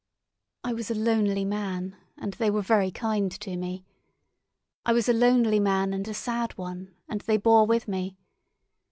I was a lonely man, and they were very kind to me. I was a lonely man and a sad one, and they bore with me.